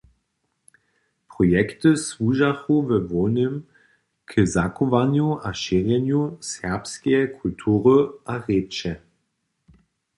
Projekty słužachu we hłownym k zachowanju a šěrjenju serbskeje kultury a rěče.